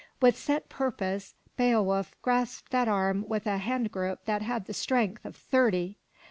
With set purpose, Beowulf grasped that arm in a hand grip that had the strength of thirty.